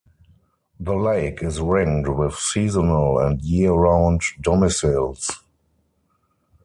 The lake is ringed with seasonal and year-round domiciles.